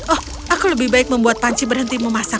oh aku lebih baik membuat panci berhenti memasak